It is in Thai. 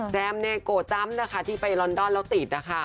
แจมโกจำที่ไปลอนดอนแล้วติด